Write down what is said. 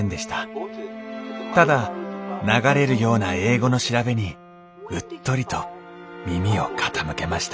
ただ流れるような英語の調べにうっとりと耳を傾けました